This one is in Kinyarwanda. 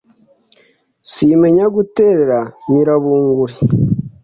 Simenya guterera mira bunguri”